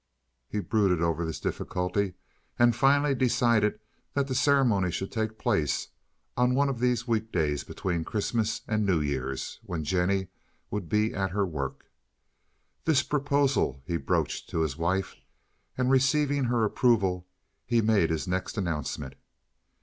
He brooded over this difficulty, and finally decided that the ceremony should take place on one of these week days between Christmas and New Year's, when Jennie would be at her work. This proposal he broached to his wife, and, receiving her approval, he made his next announcement.